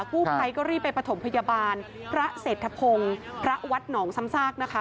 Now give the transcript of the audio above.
กู้ภัยก็รีบไปประถมพยาบาลพระเศรษฐพงศ์พระวัดหนองซ้ำซากนะคะ